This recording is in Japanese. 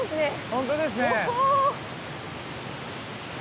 本当ですね。